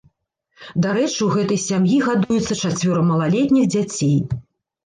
Дарэчы, у гэтай сям'і гадуецца чацвёра малалетніх дзяцей.